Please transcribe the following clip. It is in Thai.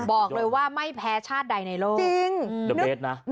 บอกเลยว่าไม่แพ้ชาติใดในโลก